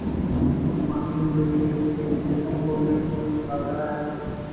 جسمانی کمزوری کو دور کرکے جسم کو صحت مند بناتا ہے